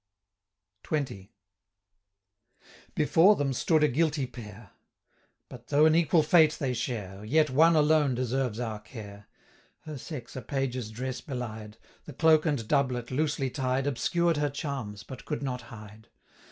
380 XX. Before them stood a guilty pair; But, though an equal fate they share, Yet one alone deserves our care. Her sex a page's dress belied; The cloak and doublet, loosely tied, 385 Obscured her charms, but could not hide.